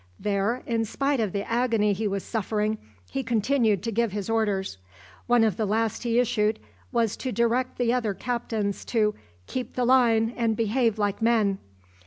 There, in spite of the agony he was suffering, he continued to give his orders. One of the last he issued was to direct the other captains to "keep the line and behave like men."